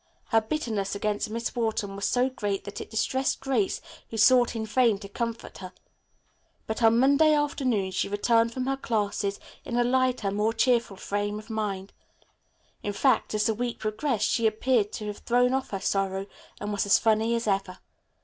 Her bitterness against Miss Wharton was so great that it distressed Grace, who sought in vain to comfort her. But on Monday afternoon she returned from her classes in a lighter, more cheerful frame of mind. In fact as the week progressed she appeared to have thrown off her sorrow and was as funny as ever.